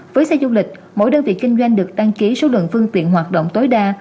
với xe du lịch mỗi đơn vị kinh doanh được đăng ký số lượng phương tiện hoạt động tối đa